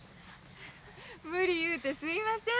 無理言うてすいません。